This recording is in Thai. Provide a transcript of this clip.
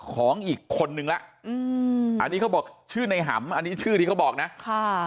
ของอีกคนนึงละอืมอันนี้เขาบอกชื่อในหำอันนี้ชื่อที่เขาบอกนะค่ะ